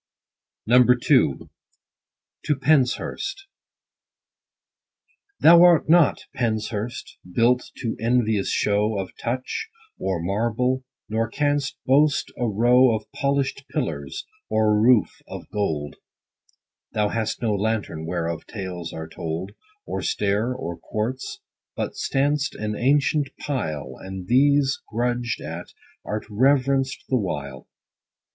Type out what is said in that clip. II. — TO PENSHURST. Thou art not, PENSHURST, built to envious show Of touch, or marble ; nor canst boast a row Of polish'd pillars, or a roof of gold : Thou hast no lantern whereof tales are told ; Or stair, or courts ; but stand'st an ancient pile, And these grudg'd at, art reverenced the while.